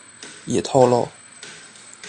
也透露